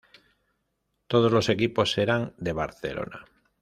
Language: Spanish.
Todos los equipos eran de Barcelona.